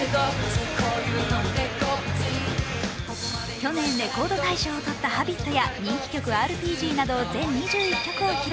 去年、レコード大賞を取った「Ｈａｂｉｔ」や人気曲「ＲＰＧ」など全２１曲を披露。